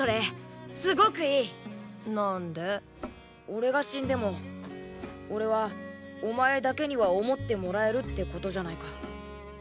俺が死んでも俺はお前だけには「想ってもらえる」ってことじゃないか。